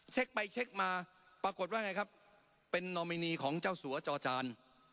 เช็คไปเช็คมาปรากฏว่าไงครับเป็นนอมินีของเจ้าสัวจอจาน